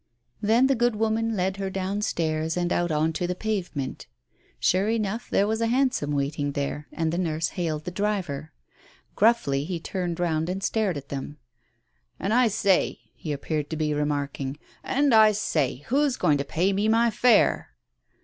Then the good woman led her downstairs and out on to the pavement. Sure enough, there was a hansom waiting there, and the nurse hailed the driver. Gruffly, he turned round, and stared at them. "And I say," he appeared to be remarking, "and I say, who's going to pay me my fare